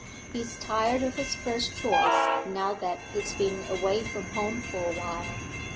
He's tired of his first choice now that he's been away from home for a while.